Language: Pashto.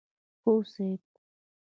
هو صيب!